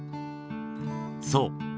そう。